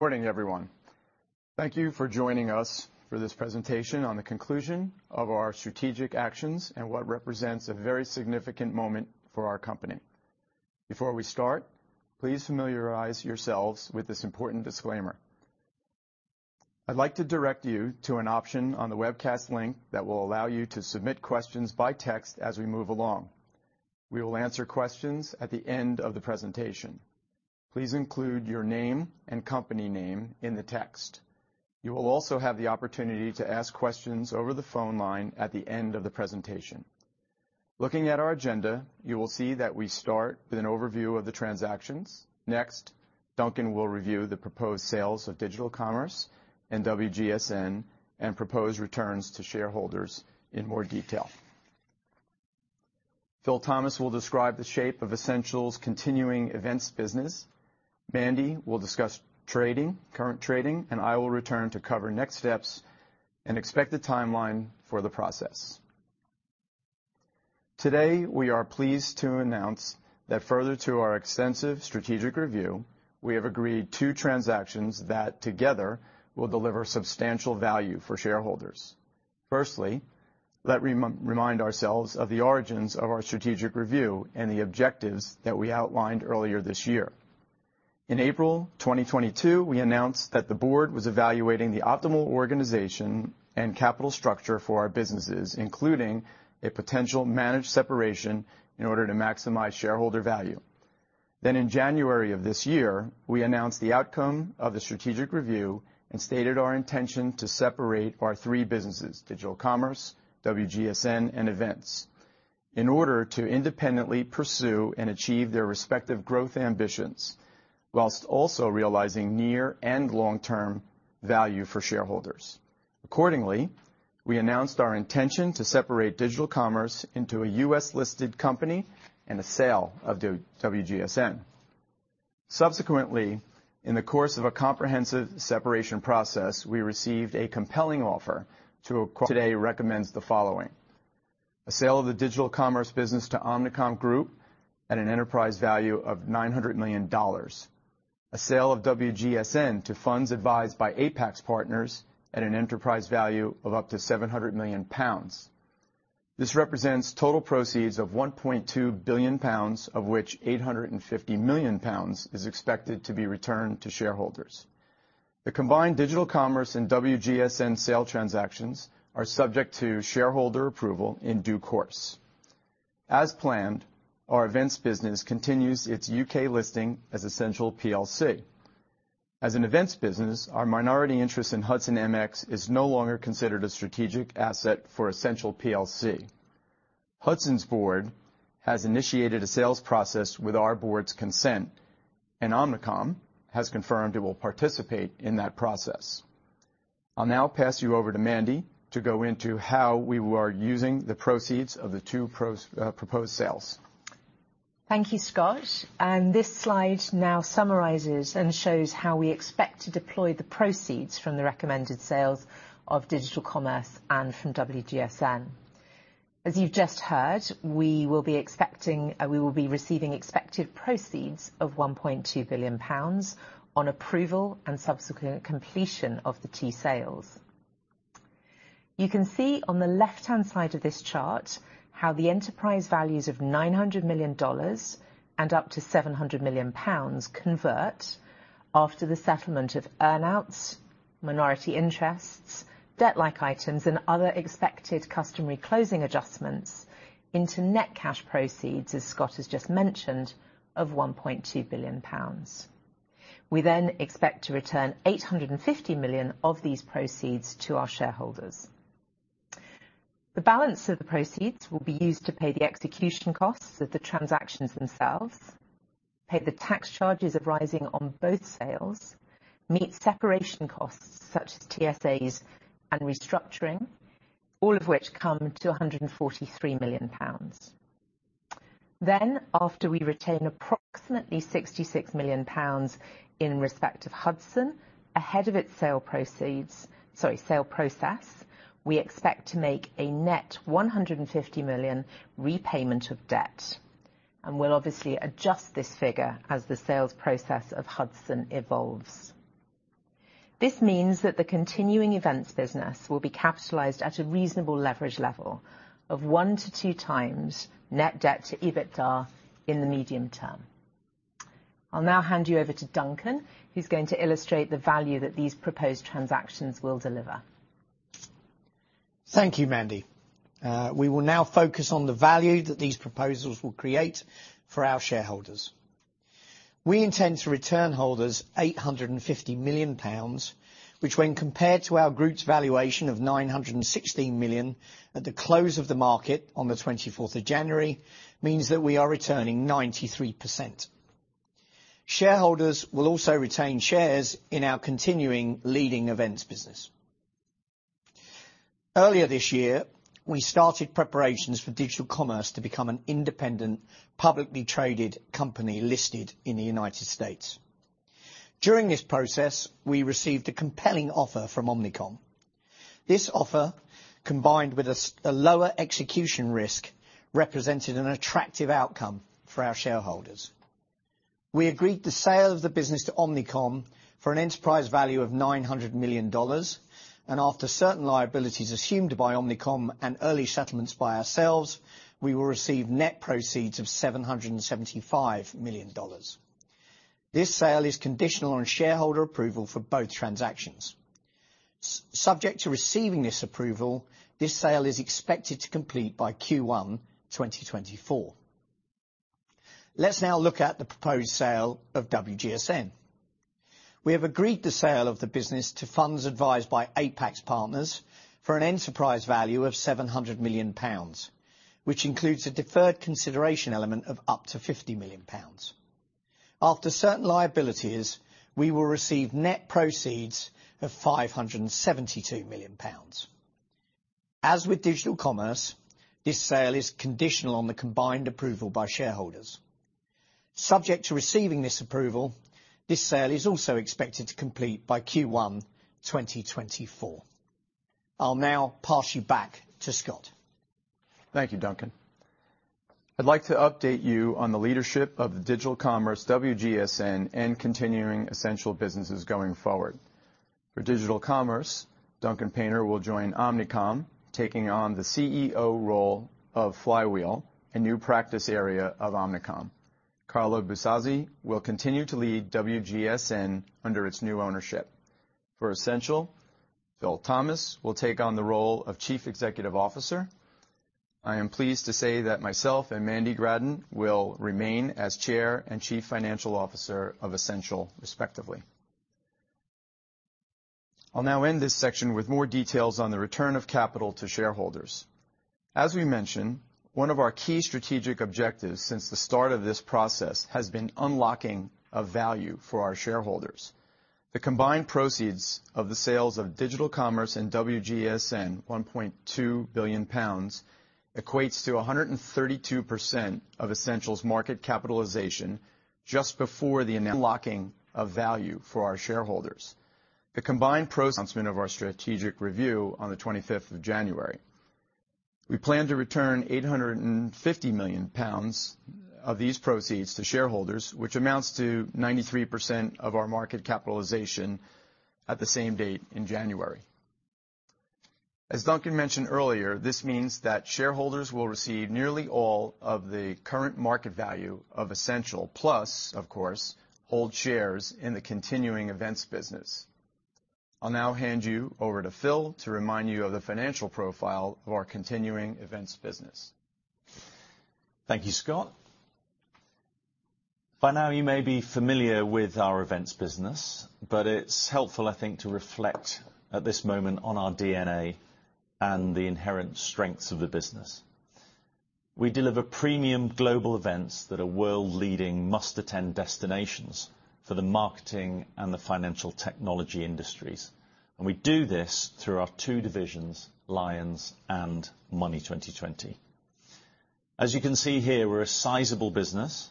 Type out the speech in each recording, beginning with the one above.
Good morning, everyone. Thank you for joining us for this presentation on the conclusion of our strategic actions and what represents a very significant moment for our company. Before we start, please familiarize yourselves with this important disclaimer. I'd like to direct you to an option on the webcast link that will allow you to submit questions by text as we move along. We will answer questions at the end of the presentation. Please include your name and company name in the text. You will also have the opportunity to ask questions over the phone line at the end of the presentation. Looking at our agenda, you will see that we start with an overview of the transactions. Next, Duncan will review the proposed sales of Digital Commerce and WGSN and proposed returns to shareholders in more detail. Phil Thomas will describe the shape of Ascential's continuing events business. Mandy will discuss trading, current trading, and I will return to cover next steps and expected timeline for the process. Today, we are pleased to announce that further to our extensive strategic review, we have agreed two transactions that together will deliver substantial value for shareholders. Firstly, let [us] remind ourselves of the origins of our strategic review and the objectives that we outlined earlier this year. In April 2022, we announced that the board was evaluating the optimal organization and capital structure for our businesses, including a potential managed separation in order to maximize shareholder value. Then, in January of this year, we announced the outcome of the strategic review and stated our intention to separate our three businesses, Digital Commerce, WGSN, and Events, in order to independently pursue and achieve their respective growth ambitions, whilst also realizing near and long-term value for shareholders. Accordingly, we announced our intention to separate Digital Commerce into a U.S.-listed company and the sale of the WGSN. Subsequently, in the course of a comprehensive separation process, we received a compelling offer. Today [the Board] recommends the following: A sale of the Digital Commerce business to Omnicom Group at an enterprise value of $900 million. A sale of WGSN to funds advised by Apax Partners at an enterprise value of up to 700 million pounds. This represents total proceeds of 1.2 billion pounds, of which 850 million pounds is expected to be returned to shareholders. The combined Digital Commerce and WGSN sale transactions are subject to shareholder approval in due course. As planned, our events business continues its U.K. listing as Ascential plc. As an events business, our minority interest in Hudson MX is no longer considered a strategic asset for Ascential plc. Hudson's board has initiated a sales process with our board's consent, and Omnicom has confirmed it will participate in that process. I'll now pass you over to Mandy to go into how we are using the proceeds of the two proposed sales. Thank you, Scott, and this slide now summarizes and shows how we expect to deploy the proceeds from the recommended sales of Digital Commerce and from WGSN. As you've just heard, we will be expecting, we will be receiving expected proceeds of 1.2 billion pounds on approval and subsequent completion of the two sales. You can see on the left-hand side of this chart how the enterprise values of $900 million and up to 700 million pounds convert after the settlement of earn-outs, minority interests, debt-like items, and other expected customary closing adjustments into net cash proceeds, as Scott has just mentioned, of 1.2 billion pounds. We then expect to return 850 million of these proceeds to our shareholders. The balance of the proceeds will be used to pay the execution costs of the transactions themselves, pay the tax charges arising on both sales, meet separation costs, such as TSAs and restructuring, all of which come to 143 million pounds. Then, after we retain approximately 66 million pounds in respect of Hudson, ahead of its sale proceeds, sorry, sale process, we expect to make a net 150 million repayment of debt, and we'll obviously adjust this figure as the sales process of Hudson evolves. This means that the continuing events business will be capitalized at a reasonable leverage level of 1x-2x net debt to EBITDA in the medium term. I'll now hand you over to Duncan, who's going to illustrate the value that these proposed transactions will deliver. Thank you, Mandy. We will now focus on the value that these proposals will create for our shareholders. We intend to return [to] holders 850 million pounds, which, when compared to our group's valuation of 916 million at the close of the market on the 24th of January, means that we are returning 93%. Shareholders will also retain shares in our continuing leading events business. Earlier this year, we started preparations for Digital Commerce to become an independent, publicly traded company listed in the United States. During this process, we received a compelling offer from Omnicom. This offer, combined with a lower execution risk, represented an attractive outcome for our shareholders. We agreed the sale of the business to Omnicom for an enterprise value of $900 million, and after certain liabilities assumed by Omnicom and early settlements by ourselves, we will receive net proceeds of $775 million. This sale is conditional on shareholder approval for both transactions. Subject to receiving this approval, this sale is expected to complete by Q1 2024. Let's now look at the proposed sale of WGSN. We have agreed the sale of the business to funds advised by Apax Partners for an enterprise value of 700 million pounds, which includes a deferred consideration element of up to 50 million pounds. After certain liabilities, we will receive net proceeds of 572 million pounds. As with Digital Commerce, this sale is conditional on the combined approval by shareholders. Subject to receiving this approval, this sale is also expected to complete by Q1 2024. I'll now pass you back to Scott. Thank you, Duncan. I'd like to update you on the leadership of the Digital Commerce, WGSN, and continuing Ascential businesses going forward. For Digital Commerce, Duncan Painter will join Omnicom, taking on the CEO role of Flywheel, a new practice area of Omnicom. Carla Buzasi will continue to lead WGSN under its new ownership. For Ascential, Phil Thomas will take on the role of Chief Executive Officer. I am pleased to say that myself and Mandy Gradden will remain as Chair and Chief Financial Officer of Ascential, respectively. I'll now end this section with more details on the return of capital to shareholders. As we mentioned, one of our key strategic objectives since the start of this process has been unlocking of value for our shareholders. The combined proceeds of the sales of Digital Commerce and WGSN, 1.2 billion pounds, equates to 132% of Ascential's market capitalization just before the unlocking of value for our shareholders. The combined announcement of our strategic review on the 25th of January, we plan to return 850 million pounds of these proceeds to shareholders, which amounts to 93% of our market capitalization at the same date in January. As Duncan mentioned earlier, this means that shareholders will receive nearly all of the current market value of Ascential, plus, of course, hold shares in the continuing events business. I'll now hand you over to Phil to remind you of the financial profile of our continuing events business. Thank you, Scott. By now, you may be familiar with our events business, but it's helpful, I think, to reflect at this moment on our DNA and the inherent strengths of the business. We deliver premium global events that are world-leading, must-attend destinations for the marketing and the financial technology industries, and we do this through our two divisions, LIONS and Money20/20. As you can see here, we're a sizable business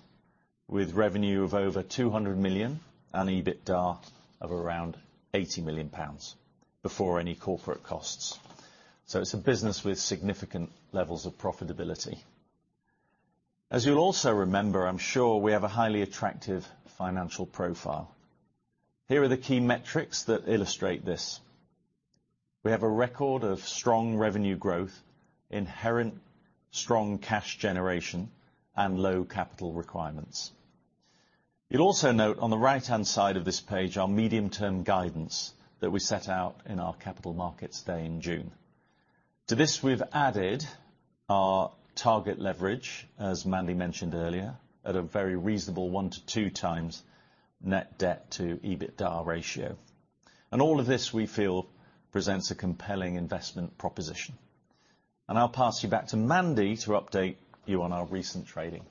with revenue of over 200 million and EBITDA of around 80 million pounds before any corporate costs. So it's a business with significant levels of profitability. As you'll also remember, I'm sure we have a highly attractive financial profile. Here are the key metrics that illustrate this. We have a record of strong revenue growth, inherent strong cash generation, and low capital requirements. You'll also note on the right-hand side of this page, our medium-term guidance that we set out in our Capital Markets Day in June. To this, we've added our target leverage, as Mandy mentioned earlier, at a very reasonable 1x-2x Net debt to EBITDA ratio. And all of this, we feel, presents a compelling investment proposition. I'll pass you back to Mandy to update you on our recent trading.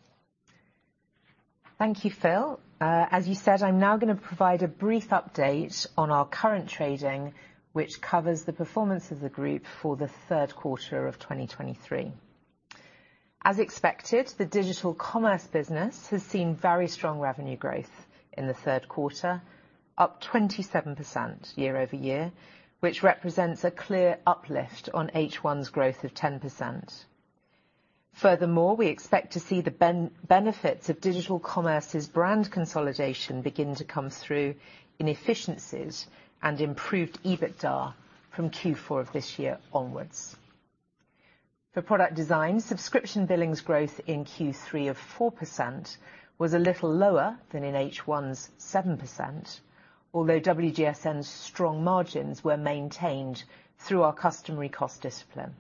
Thank you, Phil. As you said, I'm now gonna provide a brief update on our current trading, which covers the performance of the group for the third quarter of 2023. As expected, the Digital Commerce business has seen very strong revenue growth in the third quarter, up 27% year-over-year, which represents a clear uplift on H1's growth of 10%. Furthermore, we expect to see the benefits of Digital Commerce's brand consolidation begin to come through in efficiencies and improved EBITDA from Q4 of this year onwards. For Product Design, subscription billings growth in Q3 of 4% was a little lower than in H1's 7%, although WGSN's strong margins were maintained through our customary cost discipline.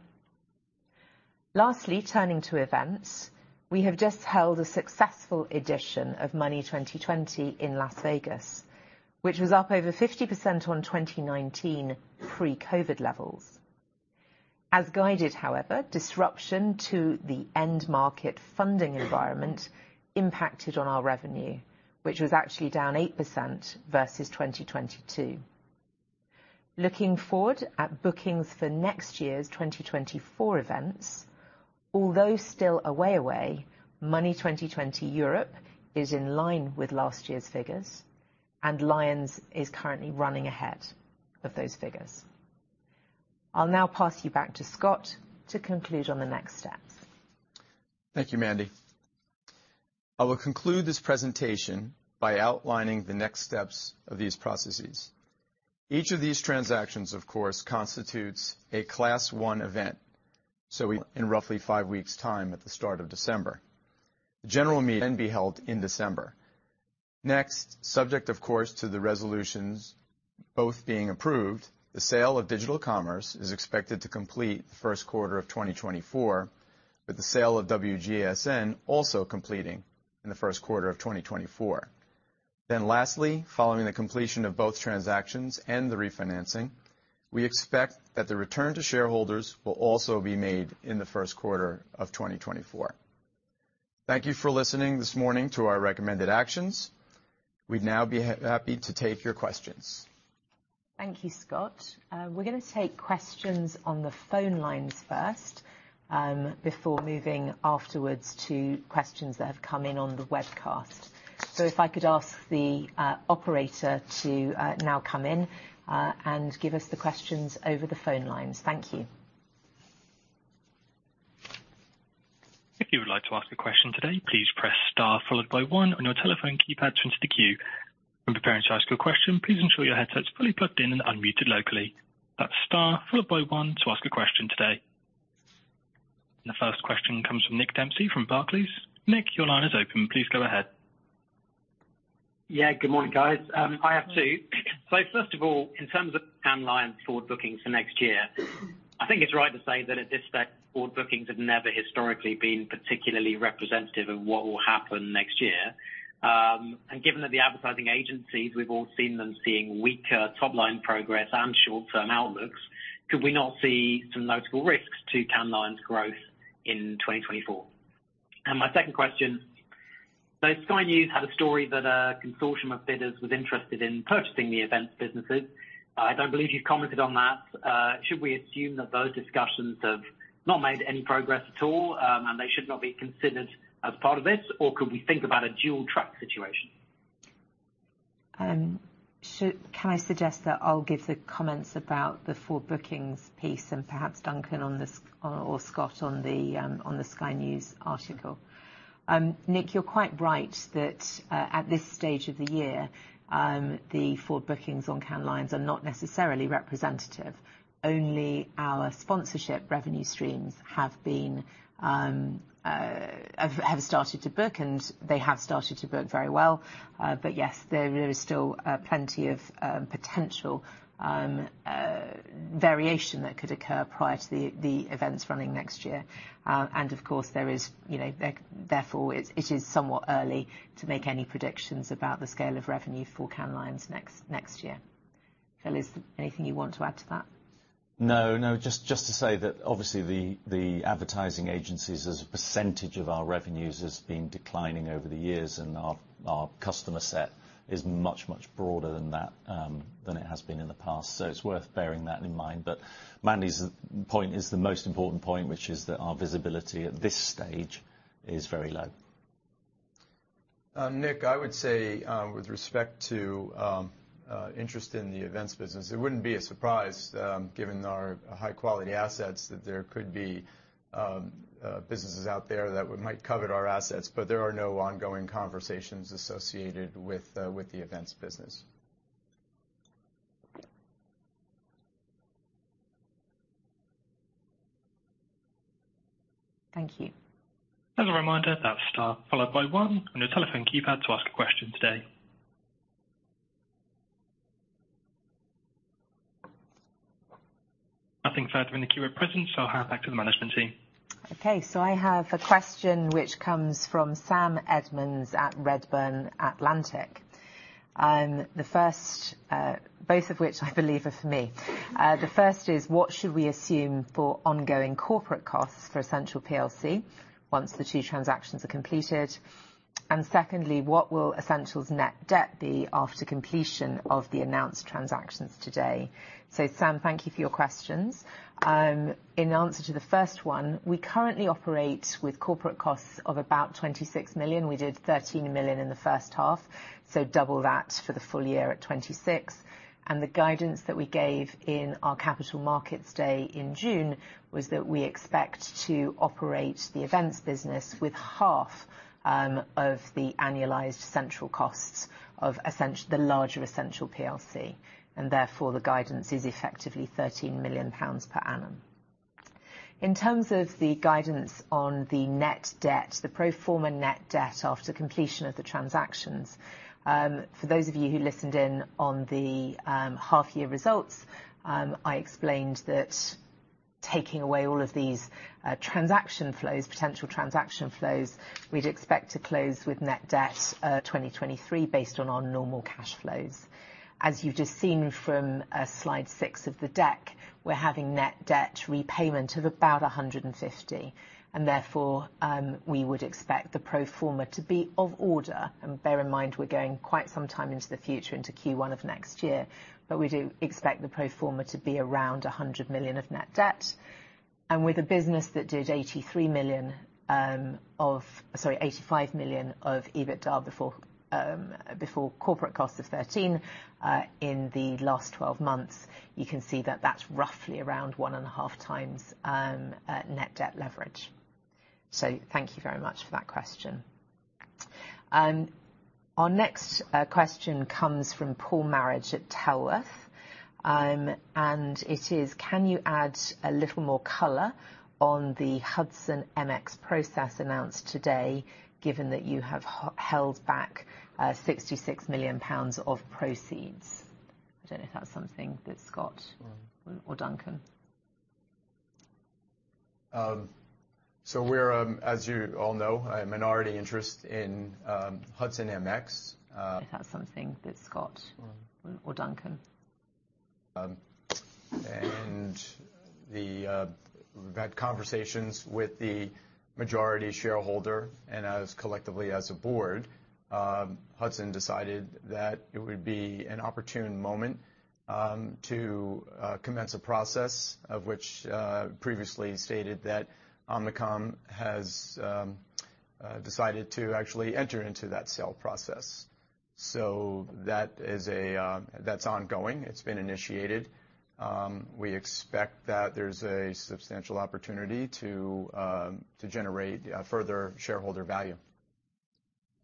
Lastly, turning to events, we have just held a successful edition of Money20/20 in Las Vegas, which was up over 50% on 2019 pre-COVID levels. As guided, however, disruption to the end market funding environment impacted on our revenue, which was actually down 8% versus 2022. Looking forward at bookings for next year's 2024 events... Although still a way away, Money20/20 Europe is in line with last year's figures, and LIONS is currently running ahead of those figures. I'll now pass you back to Scott to conclude on the next steps. Thank you, Mandy. I will conclude this presentation by outlining the next steps of these processes. Each of these transactions, of course, constitutes a Class I event, so we in roughly five weeks' time, at the start of December. The general meeting [will] be held in December. Next, subject, of course, to the resolutions, both being approved, the sale of Digital Commerce is expected to complete the first quarter of 2024, with the sale of WGSN also completing in the first quarter of 2024. Then lastly, following the completion of both transactions and the refinancing, we expect that the return to shareholders will also be made in the first quarter of 2024. Thank you for listening this morning to our recommended actions. We'd now be happy to take your questions. Thank you, Scott. We're gonna take questions on the phone lines first, before moving afterwards to questions that have come in on the webcast. So if I could ask the Operator to now come in, and give us the questions over the phone lines. Thank you. If you would like to ask a question today, please press star, followed by one on your telephone keypad to enter the queue. When preparing to ask your question, please ensure your headset is fully plugged in and unmuted locally. That's star followed by one to ask a question today. The first question comes from Nick Dempsey from Barclays. Nick, your line is open. Please go ahead. Yeah, good morning, guys. I have two. So first of all, in terms of Cannes Lions's forward bookings for next year, I think it's right to say that at this stage, forward bookings have never historically been particularly representative of what will happen next year. And given that the advertising agencies, we've all seen them seeing weaker top-line progress and short-term outlooks, could we not see some notable risks to Cannes Lions's growth in 2024? And my second question, so Sky News had a story that a consortium of bidders was interested in purchasing the events businesses. I don't believe you've commented on that. Should we assume that those discussions have not made any progress at all, and they should not be considered as part of this? Or could we think about a dual-track situation? Can I suggest that I'll give the comments about the forward bookings piece and perhaps Duncan on the Sky, or Scott, on the Sky News article? Nick, you're quite right that at this stage of the year the forward bookings on Cannes Lions are not necessarily representative. Only our sponsorship revenue streams have started to book, and they have started to book very well. But yes, there is still plenty of potential variation that could occur prior to the events running next year. And of course, you know, therefore, it is somewhat early to make any predictions about the scale of revenue for Cannes Lions next year. Fellas, anything you want to add to that? No, no, just, just to say that obviously, the, the advertising agencies, as a percentage of our revenues, has been declining over the years, and our, our customer set is much, much broader than that, than it has been in the past, so it's worth bearing that in mind. But Mandy's point is the most important point, which is that our visibility at this stage is very low. Nick, I would say, with respect to interest in the events business, it wouldn't be a surprise, given our high-quality assets, that there could be businesses out there that would might covet our assets, but there are no ongoing conversations associated with the events business. Thank you. As a reminder, that's star, followed by one on your telephone keypad to ask a question today. Nothing further in the queue at present, so I'll hand back to the management team. Okay, so I have a question which comes from Sam Reynolds at Redburn Atlantic. The first, both of which I believe are for me. The first is: What should we assume for ongoing corporate costs for Ascential plc once the two transactions are completed? And secondly, what will Ascential's net debt be after completion of the announced transactions today? So Sam, thank you for your questions. In answer to the first one, we currently operate with corporate costs of about 26 million. We did 13 million in the first half, so double that for the full year at 26 million. And the guidance that we gave in our capital markets day in June, was that we expect to operate the events business with half of the annualized central costs of Ascential – the larger Ascential plc, and therefore, the guidance is effectively 13 million pounds per annum. In terms of the guidance on the net debt, the pro forma net debt after completion of the transactions, for those of you who listened in on the half-year results, I explained that taking away all of these transaction flows, potential transaction flows, we'd expect to close with net debt, 2023, based on our normal cash flows. As you've just seen from slide six of the deck, we're having net debt repayment of about 150, and therefore, we would expect the pro forma to be of order. And bear in mind, we're going quite some time into the future, into Q1 of next year, but we do expect the pro forma to be around 100 million of net debt. And with a business that did 83 million, of, sorry, 85 million of EBITDA before, before corporate costs of 13, in the last twelve months, you can see that that's roughly around 1.5x net debt leverage. So thank you very much for that question. Our next question comes from Paul Marriage at Tellworth. And it is: Can you add a little more color on the Hudson MX process announced today, given that you have held back 66 million pounds of proceeds? I don't know if that's something that Scott or Duncan. So we're, as you all know, a minority interest in Hudson MX. If that's something that Scott or Duncan. We've had conversations with the majority shareholder, and as collectively as a board, Hudson decided that it would be an opportune moment to commence a process of which previously stated that Omnicom has decided to actually enter into that sale process. So that is a that's ongoing. It's been initiated. We expect that there's a substantial opportunity to generate further shareholder value.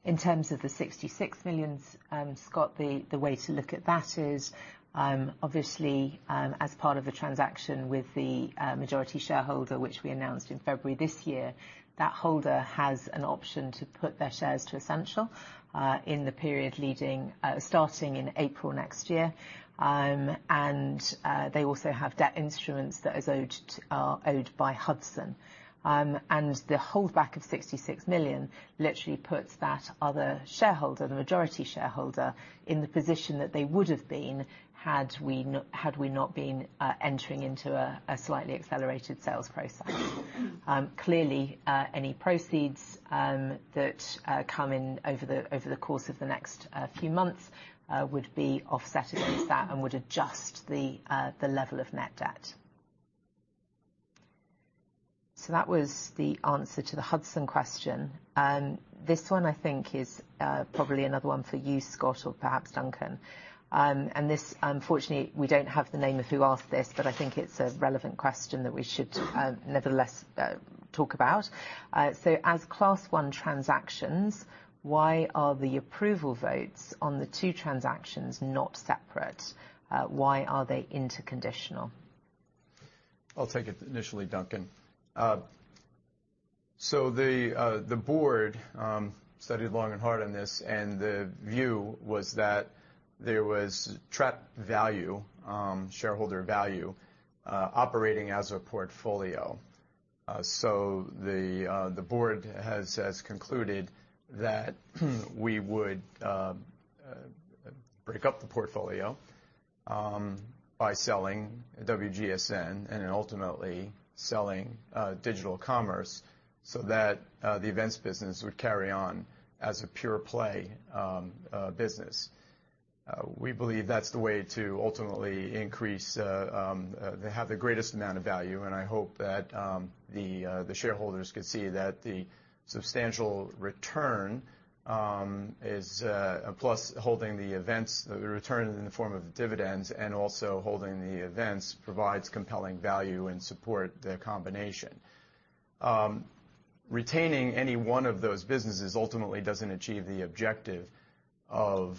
In terms of the 66 million, Scott, the way to look at that is, obviously, as part of a transaction with the majority shareholder, which we announced in February this year, that holder has an option to put their shares to Ascential in the period leading starting in April next year. And they also have debt instruments that are owed by Hudson. And the holdback of 66 million literally puts that other shareholder, the majority shareholder, in the position that they would've been had we not been entering into a slightly accelerated sales process. Clearly, any proceeds that come in over the course of the next few months would be offset against that and would adjust the level of net debt. So that was the answer to the Hudson question. This one, I think, is probably another one for you, Scott, or perhaps Duncan. And this, unfortunately, we don't have the name of who asked this, but I think it's a relevant question that we should nevertheless talk about. So as Class I transactions, why are the approval votes on the two transactions not separate? Why are they interconditional? I'll take it initially, Duncan. So the board studied long and hard on this, and the view was that there was trapped value, shareholder value, operating as a portfolio. So the board has concluded that we would break up the portfolio by selling WGSN and ultimately selling Digital Commerce so that the events business would carry on as a pure play business. We believe that's the way to ultimately increase, have the greatest amount of value, and I hope that the shareholders could see that the substantial return is plus holding the events, the return in the form of dividends and also holding the events provides compelling value and support the combination. Retaining any one of those businesses ultimately doesn't achieve the objective of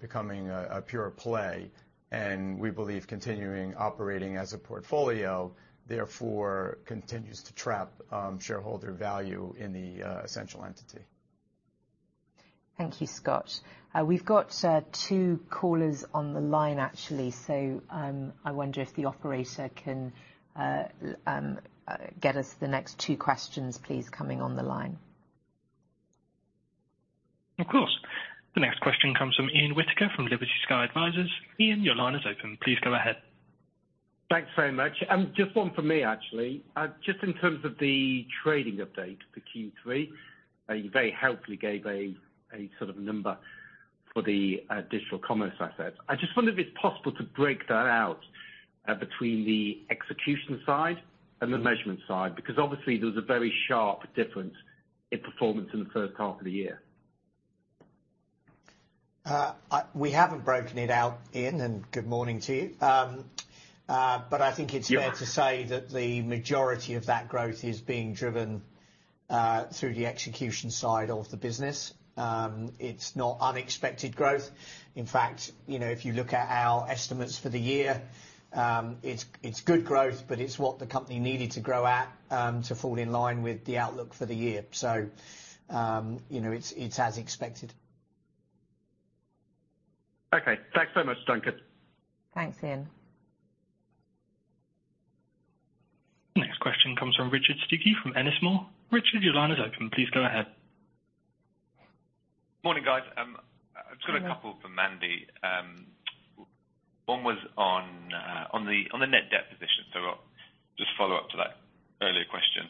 becoming a pure play, and we believe continuing operating as a portfolio, therefore, continues to trap shareholder value in the Ascential entity. Thank you, Scott. We've got two callers on the line, actually. So, I wonder if the operator can get us the next two questions, please, coming on the line. Of course. The next question comes from Ian Whittaker from Liberty Sky Advisors. Ian, your line is open. Please go ahead. Thanks very much. Just one from me, actually. Just in terms of the trading update for Q3, you very helpfully gave a sort of number for the Digital Commerce aspect. I just wonder if it's possible to break that out between the execution side and the measurement side, because obviously there was a very sharp difference in performance in the first half of the year. We haven't broken it out, Ian, and good morning to you. But I think it's- Yep... fair to say that the majority of that growth is being driven through the execution side of the business. It's not unexpected growth. In fact, you know, if you look at our estimates for the year, it's good growth, but it's what the company needed to grow at to fall in line with the outlook for the year. So, you know, it's as expected. Okay. Thanks so much, Duncan. Thanks, Ian. Next question comes from Richard Stuckey from Ennismore. Richard, your line is open. Please go ahead. Morning, guys. I've got a couple for Mandy. One was on the net debt position, so I'll just follow up to that earlier question....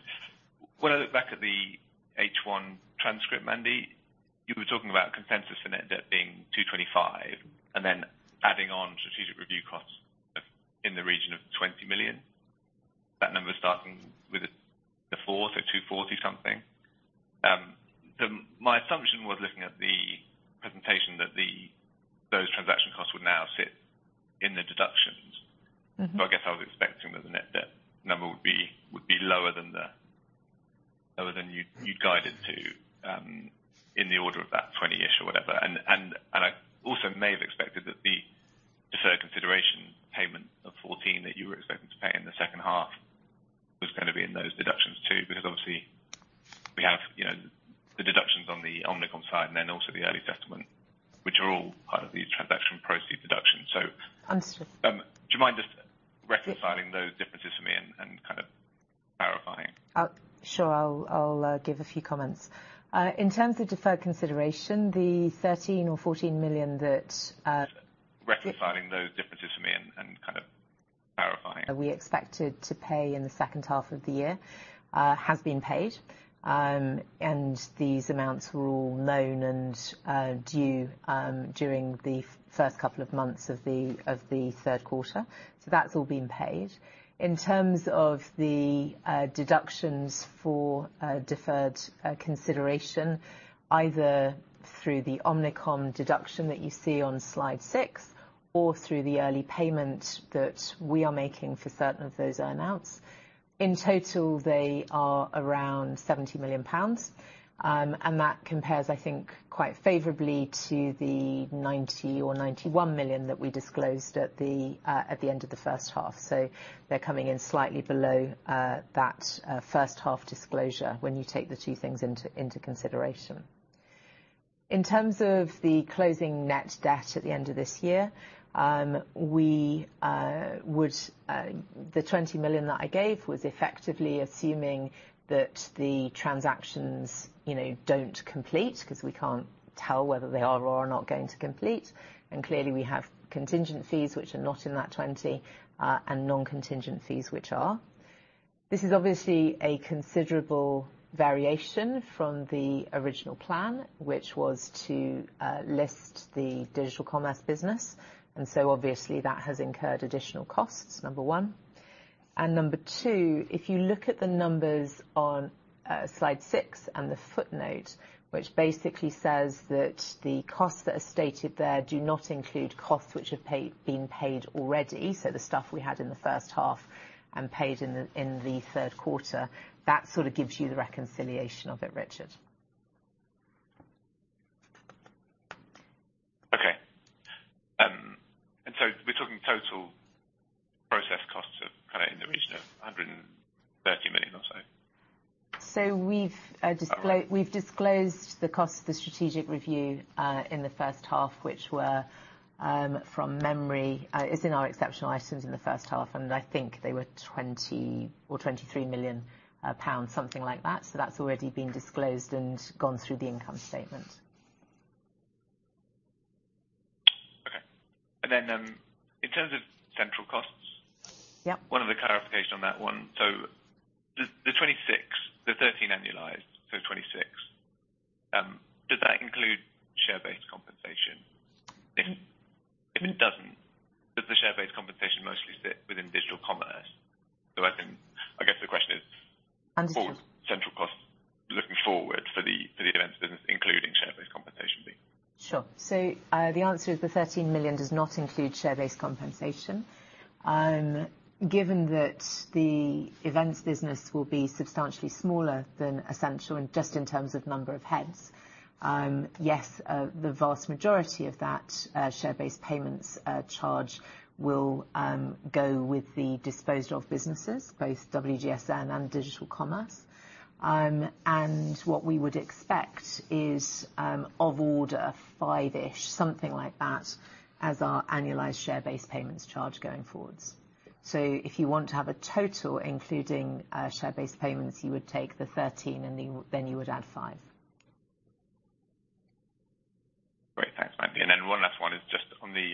When I look back at the H1 transcript, Mandy, you were talking about consensus for net debt being 225 million, and then adding on strategic review costs of in the region of 20 million. That number starting with 240 or something. My assumption was looking at the presentation that those transaction costs would now sit in the deductions. Mm-hmm. So I guess I was expecting that the net debt number would be lower than you'd guided to, in the order of that 20-ish or whatever. And I also may have expected that the deferred consideration payment of 14 that you were expecting to pay in the second half was gonna be in those deductions, too. Because obviously, you know, we have the deductions on the Omnicom side and then also the early settlement, which are all part of the transaction proceeds deductions. So- Understood. Do you mind just reconciling those differences for me and kind of clarifying? Sure. I'll give a few comments. In terms of deferred consideration, the 13 million or 14 million that, Reconciling those differences for me and kind of clarifying. We expected to pay in the second half of the year has been paid. These amounts were all known and due during the first couple of months of the third quarter. That's all been paid. In terms of the deductions for deferred consideration, either through the Omnicom deduction that you see on slide six, or through the early payment that we are making for certain of those amounts, in total, they are around 70 million pounds. That compares, I think, quite favorably to the 90 million or 91 million that we disclosed at the end of the first half. They're coming in slightly below that first half disclosure when you take the two things into consideration. In terms of the closing net debt at the end of this year, we would. The 20 million that I gave was effectively assuming that the transactions, you know, don't complete, 'cause we can't tell whether they are or are not going to complete. And clearly, we have contingencies which are not in that 20, and non-contingencies, which are. This is obviously a considerable variation from the original plan, which was to list the Digital Commerce business, and so obviously that has incurred additional costs, number one. Number 2, if you look at the numbers on slide 6 and the footnote, which basically says that the costs that are stated there do not include costs which have been paid already, so the stuff we had in the first half and paid in the third quarter, that sort of gives you the reconciliation of it, Richard. Okay. And so we're talking total process costs of kind of in the region of 130 million or so? So we've disclosed. Is that right? We've disclosed the cost of the strategic review, in the first half, which were, from memory, it's in our exceptional items in the first half, and I think they were 20 million or 23 million, pounds, something like that. So that's already been disclosed and gone through the income statement. Okay. And then, in terms of central costs- Yeah. One other clarification on that one. So the 26, the 13 annualized, so 26, does that include share-based compensation? Mm-hmm. If it doesn't, does the share-based compensation mostly sit within Digital Commerce? So I think, I guess the question is- Understood. What would central costs, looking forward for the events business, including share-based compensation, be? Sure. So, the answer is the 13 million does not include share-based compensation. Given that the events business will be substantially smaller than Ascential and just in terms of number of heads, yes, the vast majority of that share-based payments charge will go with the disposed of businesses, both WGSN and Digital Commerce. And what we would expect is of order 5-ish, something like that, as our annualized share-based payments charge going forwards. So if you want to have a total, including share-based payments, you would take the 13, and then you would add 5. Great. Thanks, Mandy. And then one last one is just on the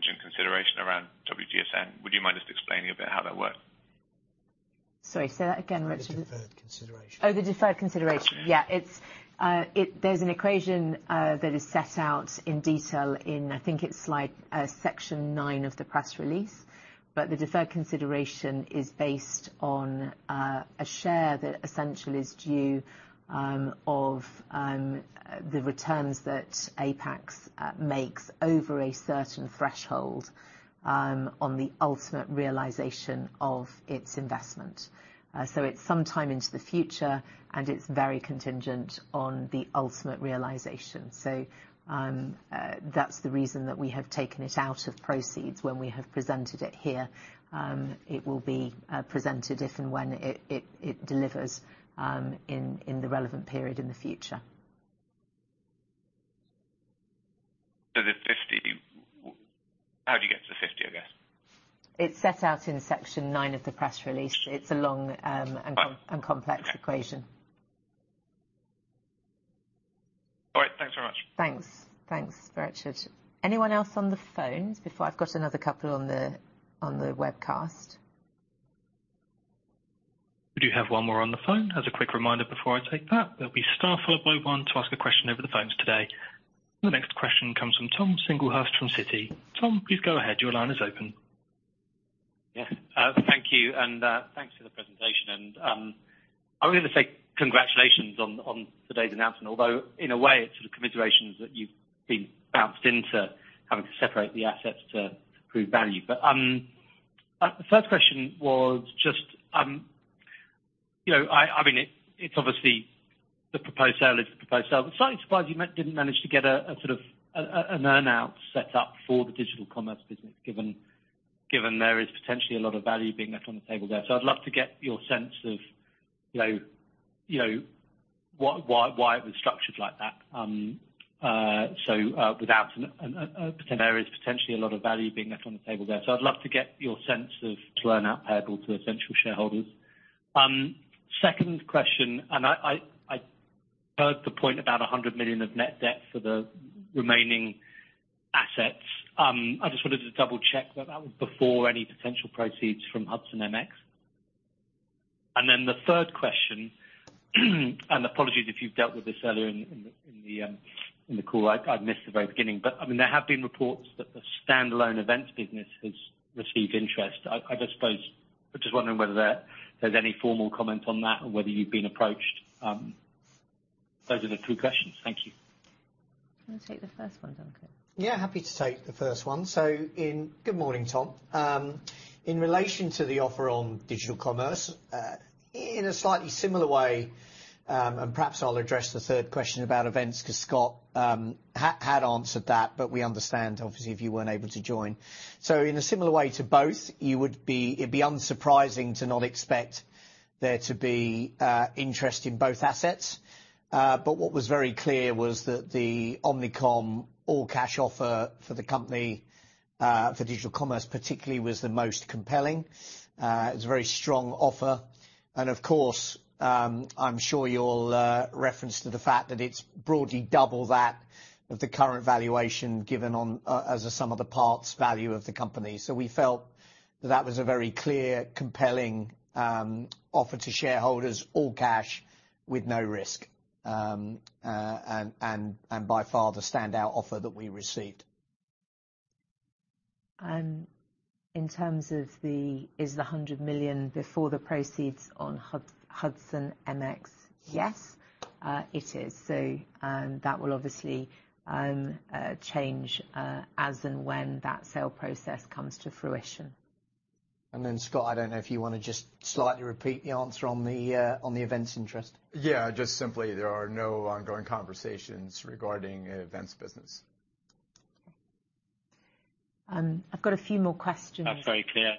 consideration around WGSN. Would you mind just explaining a bit how that works? Sorry, say that again, Richard? The deferred consideration. Oh, the deferred consideration. Yeah, it's, there's an equation that is set out in detail in, I think it's slide section nine of the press release. But the deferred consideration is based on a share that essentially is due of the returns that Apax makes over a certain threshold on the ultimate realization of its investment. So it's some time into the future, and it's very contingent on the ultimate realization. So that's the reason that we have taken it out of proceeds when we have presented it here. It will be presented if and when it delivers in the relevant period in the future. So the 50, how'd you get to the 50, I guess? It's set out in section nine of the press release. It's a long, and com- Okay. Complex equation.... Thanks, Richard. Anyone else on the phone before I've got another couple on the webcast? We do have one more on the phone. As a quick reminder, before I take that, there'll be staff followed by one to ask a question over the phones today. The next question comes from Tom Singlehurst from Citi. Tom, please go ahead. Your line is open. Yeah, thank you, and thanks for the presentation. And, I'm gonna say congratulations on today's announcement, although in a way, it's sort of commiserations that you've been bounced into having to separate the assets to improve value. But the first question was just, you know, I mean, it's obviously the proposed sale is the proposed sale, but slightly surprised you didn't manage to get a sort of an earn-out set up for the Digital Commerce business, given there is potentially a lot of value being left on the table there. So I'd love to get your sense of, you know, why it was structured like that. So, without an, there is potentially a lot of value being left on the table there. So I'd love to get your sense of the earn-out paid to Ascential shareholders. Second question, and I heard the point about 100 million of net debt for the remaining assets. I just wanted to double-check that that was before any potential proceeds from Hudson MX. And then the third question, and apologies if you've dealt with this earlier in the call. I've missed the very beginning, but I mean, there have been reports that the standalone events business has received interest. I just suppose, I'm just wondering whether there's any formal comment on that or whether you've been approached. Those are the two questions. Thank you. Do you want to take the first one, Duncan? Yeah, happy to take the first one. Good morning, Tom. In relation to the offer on Digital Commerce, in a slightly similar way, and perhaps I'll address the third question about events, 'cause Scott had answered that, but we understand, obviously, if you weren't able to join. In a similar way to both, it'd be unsurprising to not expect there to be interest in both assets. But what was very clear was that the Omnicom all cash offer for the company, for Digital Commerce particularly, was the most compelling. It's a very strong offer, and of course, I'm sure you'll reference to the fact that it's broadly double that of the current valuation given on, as a sum of the parts value of the company. So we felt that that was a very clear, compelling offer to shareholders, all cash, with no risk. And by far the standout offer that we received. In terms of the, is the 100 million before the proceeds on Hudson MX? Yes, it is. That will obviously change, as and when that sale process comes to fruition. Scott, I don't know if you wanna just slightly repeat the answer on the events interest. Yeah, just simply, there are no ongoing conversations regarding events business. I've got a few more questions. That's very clear.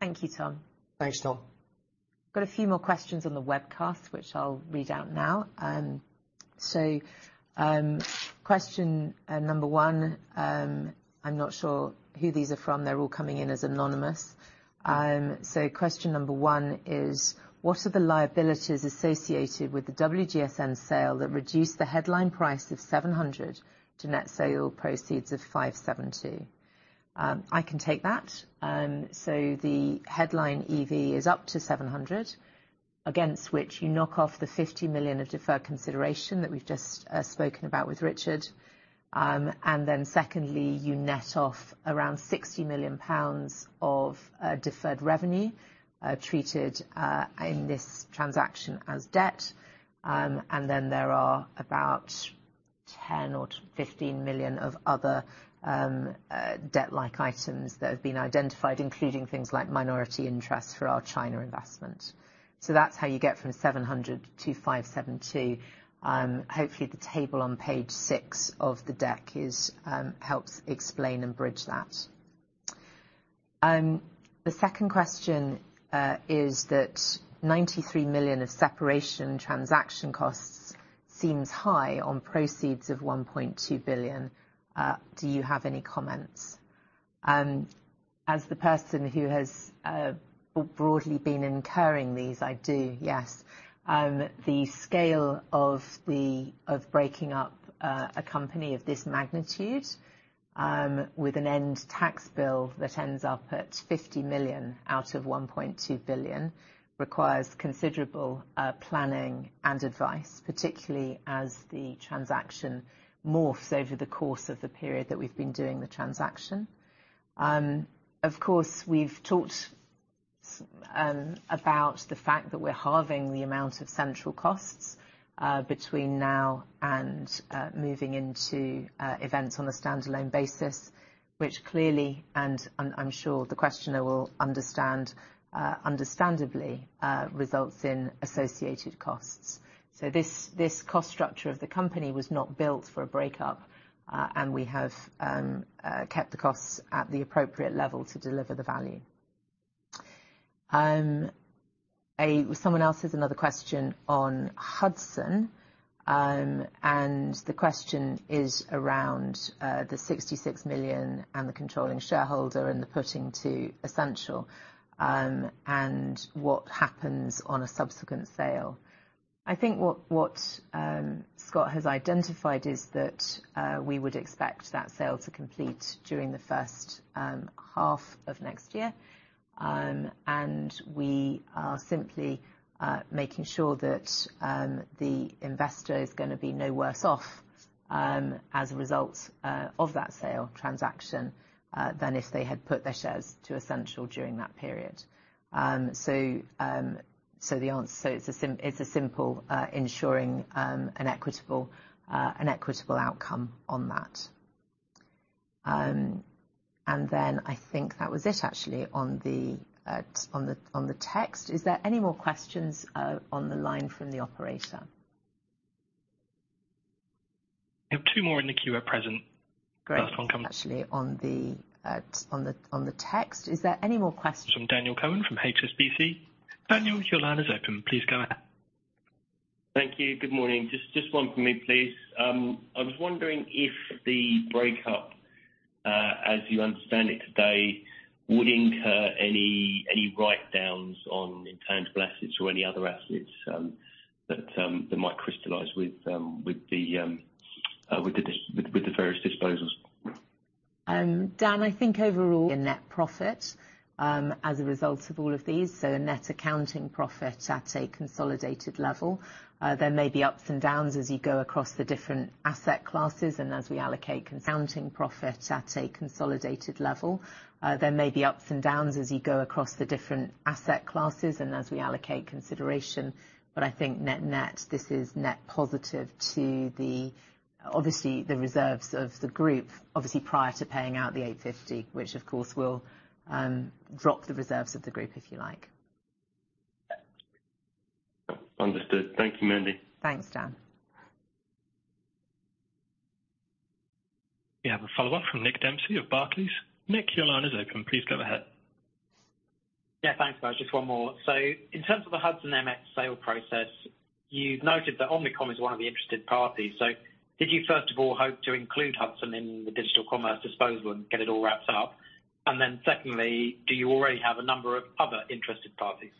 Thank you, Tom. Thanks, Tom. Got a few more questions on the webcast, which I'll read out now. Question number one, I'm not sure who these are from. They're all coming in as anonymous. Question number one is: What are the liabilities associated with the WGSN sale that reduced the headline price of 700 million to net sale proceeds of 570 million? I can take that. The headline EV is up to 700 million, against which you knock off the 50 million of deferred consideration that we've just spoken about with Richard. Then you net off around 60 million pounds of deferred revenue, treated in this transaction as debt. There are about 10 million-15 million of other debt-like items that have been identified, including things like minority interest for our China investment. That's how you get from 700 to 570. Hopefully, the table on page six of the deck helps explain and bridge that. The second question is that 93 million of separation transaction costs seems high on proceeds of $1.2 billion. Do you have any comments? As the person who has broadly been incurring these, I do, yes. The scale of breaking up a company of this magnitude, with an end tax bill that ends up at 50 million out of $1.2 billion, requires considerable planning and advice, particularly as the transaction morphs over the course of the period that we've been doing the transaction. Of course, we've talked about the fact that we're halving the amount of central costs between now and moving into events on a standalone basis, which clearly, I'm sure the questioner will understand, understandably results in associated costs. So this, this cost structure of the company was not built for a breakup, and we have kept the costs at the appropriate level to deliver the value. And someone else has another question on Hudson, and the question is around the 66 million and the controlling shareholder and the putting to Ascential, and what happens on a subsequent sale? I think what Scott has identified is that we would expect that sale to complete during the first half of next year. And we are simply making sure that the investor is going to be no worse off as a result of that sale transaction than if they had put their shares to Ascential during that period. So it's a simple ensuring an equitable outcome on that. And then I think that was it actually on the text. Is there any more questions on the line from the operator? You have two more in the queue at present. Great. First one comes- Actually, on the text. Is there any more questions? From Daniel Cowan from HSBC. Daniel, your line is open. Please go ahead. Thank you. Good morning. Just one for me, please. I was wondering if the breakup, as you understand it today, would incur any write-downs on intangible assets or any other assets that might crystallize with the various disposals? Dan, I think overall, in net profit, as a result of all of these, so a net accounting profit at a consolidated level, there may be ups and downs as you go across the different asset classes, and as we allocate accounting profit at a consolidated level. There may be ups and downs as you go across the different asset classes, and as we allocate consideration. I think net-net, this is net positive to the, obviously, the reserves of the group. Obviously, prior to paying out the 850 million, which, of course, will drop the reserves of the group, if you like. Understood. Thank you, Mandy. Thanks, Dan. We have a follow-up from Nick Dempsey of Barclays. Nick, your line is open. Please go ahead. Yeah, thanks, guys. Just one more. So in terms of the Hudson MX sale process, you've noted that Omnicom is one of the interested parties. So did you, first of all, hope to include Hudson in the Digital Commerce disposal and get it all wrapped up? And then secondly, do you already have a number of other interested parties?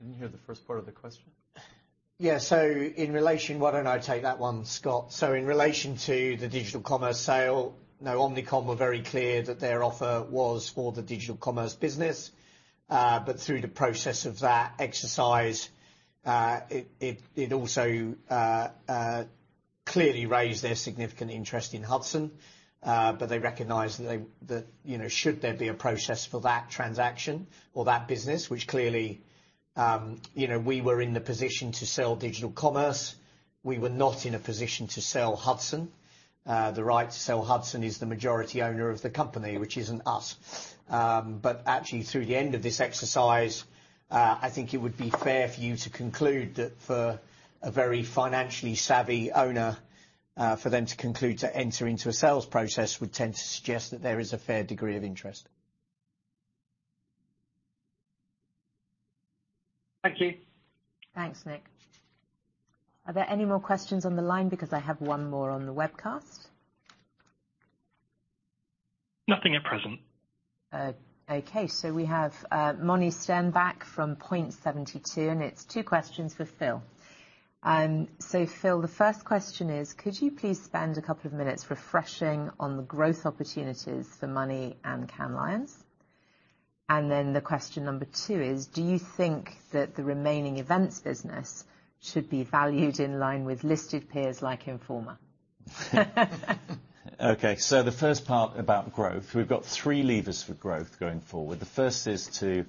Didn't hear the first part of the question. Yeah, so in relation... Why don't I take that one, Scott? So in relation to the Digital Commerce sale, now, Omnicom were very clear that their offer was for the Digital Commerce business. But through the process of that exercise, it also clearly raised their significant interest in Hudson. But they recognized that you know, should there be a process for that transaction or that business, which clearly, you know, we were in the position to sell Digital Commerce. We were not in a position to sell Hudson. The right to sell Hudson is the majority owner of the company, which isn't us. But actually, through the end of this exercise, I think it would be fair for you to conclude that for a very financially savvy owner, for them to conclude to enter into a sales process would tend to suggest that there is a fair degree of interest. Thank you. Thanks, Nick. Are there any more questions on the line? Because I have one more on the webcast. Nothing at present. Okay, so we have Moni Sternbach from Point72, and it's two questions for Phil. So Phil, the first question is, could you please spend a couple of minutes refreshing on the growth opportunities for Money and Cannes Lions? And then the question number two is: Do you think that the remaining events business should be valued in line with listed peers like Informa? Okay, so the first part about growth, we've got three levers for growth going forward. The first is to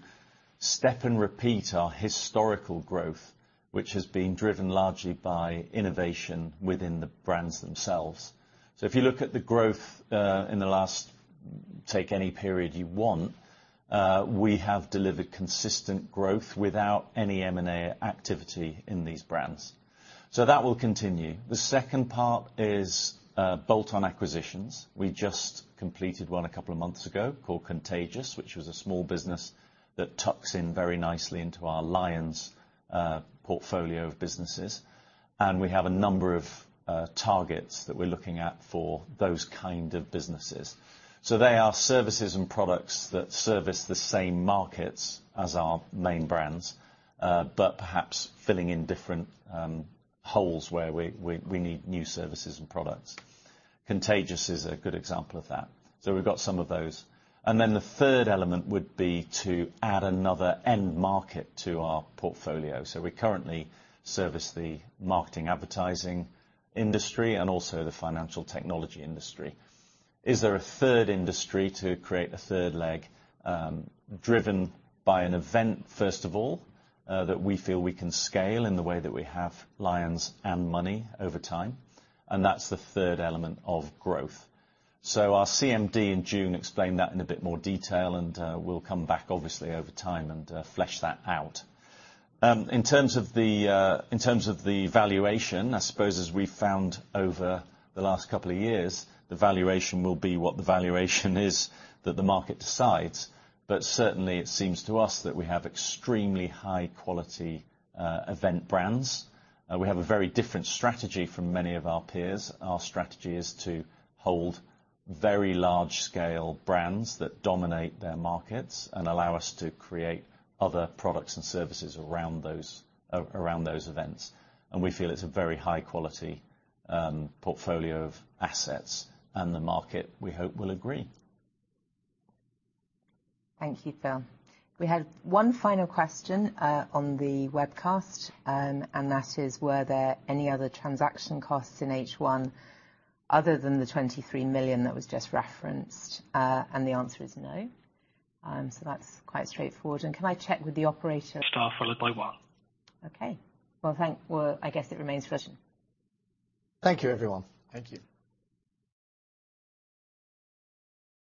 step and repeat our historical growth, which has been driven largely by innovation within the brands themselves. So if you look at the growth, in the last, take any period you want, we have delivered consistent growth without any M&A activity in these brands. So that will continue. The second part is, bolt-on acquisitions. We just completed one a couple of months ago called Contagious, which was a small business that tucks in very nicely into our LIONS portfolio of businesses. And we have a number of targets that we're looking at for those kind of businesses. So they are services and products that service the same markets as our main brands, but perhaps filling in different holes where we need new services and products. Contagious is a good example of that. So we've got some of those. And then the third element would be to add another end market to our portfolio. So we currently service the marketing, advertising industry and also the financial technology industry. Is there a third industry to create a third leg, driven by an event, first of all, that we feel we can scale in the way that we have LIONS and Money20/20 over time? And that's the third element of growth. So our CMD in June explained that in a bit more detail, and we'll come back, obviously, over time and flesh that out. In terms of the valuation, I suppose, as we found over the last couple of years, the valuation will be what the valuation is that the market decides. But certainly, it seems to us that we have extremely high quality event brands. We have a very different strategy from many of our peers. Our strategy is to hold very large-scale brands that dominate their markets and allow us to create other products and services around those events. And we feel it's a very high quality portfolio of assets, and the market, we hope, will agree. Thank you, Phil. We had one final question on the webcast, and that is: Were there any other transaction costs in H1 other than the 23 million that was just referenced? And the answer is no. So that's quite straightforward. And can I check with the operator? Star followed by one. Okay. Well, I guess it concludes the session. Thank you, everyone. Thank you.